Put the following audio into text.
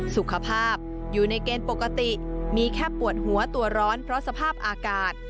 สุขภาพอยู่ในเกณฑ์ปกติมีแค่ปวดหัวตัวร้อนเพราะสภาพอากาศ